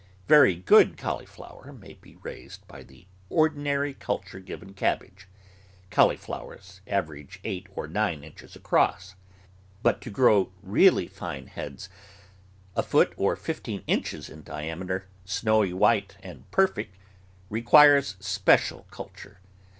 Very good cauliflower may be raised by the or dinary culture given cabbage — cauliflowers aver aging eight or nine inches across — but to grow really fine heads, a foot or fifteen inches in diameter, sno^vy M'hite, and perfect, requires special culture.